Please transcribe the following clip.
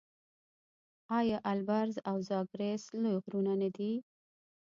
آیا البرز او زاگرس لوی غرونه نه دي؟